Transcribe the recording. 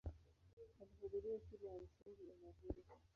Alihudhuria shule ya msingi eneo hilo.